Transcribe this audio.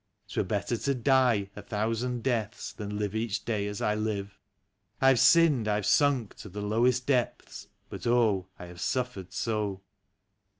'Twere better to die a thousand deaths than live each day as I live ! I have sinned, I have sunk to the lowest depths — but oh, I have suffered so